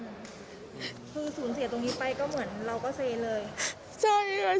คือสูญเสียตรงนี้ไปก็เหมือนเราก็เซเลย